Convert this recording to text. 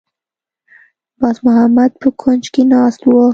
باز محمد په کونج کې ناسته وه.